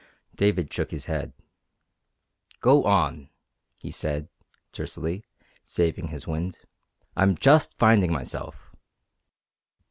David shook his head. "Go on," he said, tersely, saving his wind. "I'm just finding myself."